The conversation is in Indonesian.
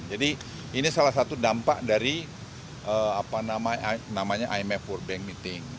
jadi ini salah satu dampak dari imf world bank meeting